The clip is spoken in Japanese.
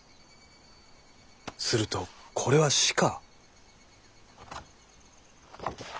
するとこれは「死」か？